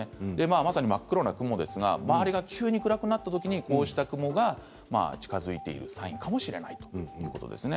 まさに真っ黒な雲が周りが急に暗くなったときにこうした雲が近づいているサインかもしれないということです。